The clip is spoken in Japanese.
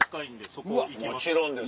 もちろんです。